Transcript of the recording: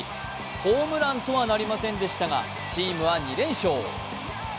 ホームランとはなりませんでしたがチームは２連勝。